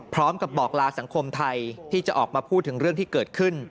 พร้อมกับบอกลาสังคมไทยที่จะออกมาพูดถึงเรื่องที่เกิดขึ้น